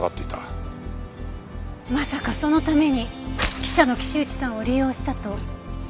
まさかそのために記者の岸内さんを利用したと？